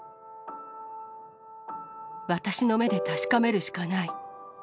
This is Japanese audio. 私の目で確かめるしかない。